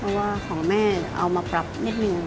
เพราะว่าของแม่เอามาปรับนิดนึง